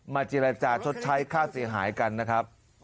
เจรจาชดใช้ค่าเสียหายกันนะครับ